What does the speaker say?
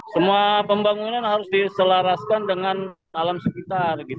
semua pembangunan harus diselaraskan dengan alam sekitar